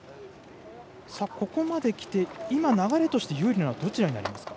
ここまできて今、流れとして有利なのはどちらになりますか。